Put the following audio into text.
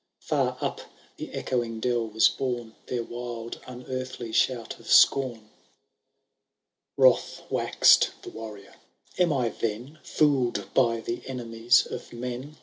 Far up the echoing dell was borne Their wild unearthly shout of scorn. XIII. Wroth wax'd the Warrior.— Am I then Foord by the enemies of men.